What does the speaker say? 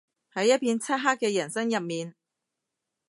喺一片漆黑嘅人生入面